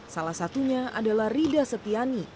salah satunya adalah rida setiani